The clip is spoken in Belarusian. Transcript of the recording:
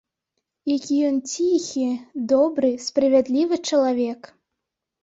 Які ён ціхі, добры, справядлівы чалавек!